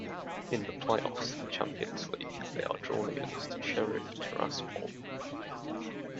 In the play-offs to the Champions League, they are drawn against Sheriff Tiraspol.